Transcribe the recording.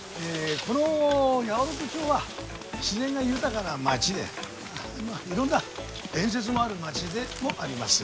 この八百万町は自然が豊かな町でいろんな伝説もある町でもあります。